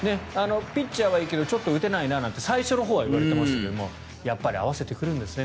ピッチャーはいいけどちょっと打てないなって最初はいわれてたけどやっぱり合わせてくるんですね。